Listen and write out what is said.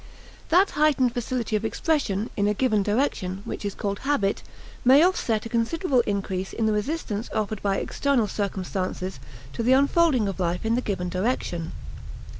That heightened facility of expression in a given direction which is called habit may offset a considerable increase in the resistance offered by external circumstances to the unfolding of life in the given direction.